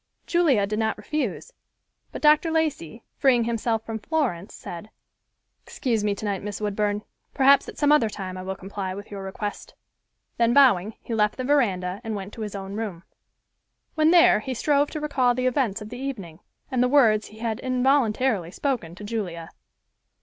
Julia did not refuse, but Dr. Lacey, freeing himself from Florence, said, "Excuse me tonight, Miss Woodburn. Perhaps at some other time I will comply with your request," then bowing, he left the veranda and went to his own room. When there he strove to recall the events of the evening, and the words he had involuntarily spoken to Julia.